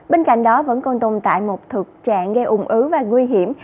bên cạnh đó vẫn còn tồn tại một thực trạng gây ủng ứ và nguy hiểm